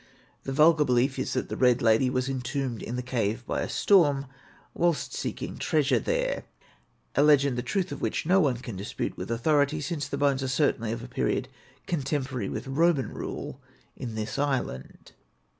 The vulgar belief is that the Red Lady was entombed in the cave by a storm while seeking treasure there a legend the truth of which no one can dispute with authority, since the bones are certainly of a period contemporary with the Roman rule in this island.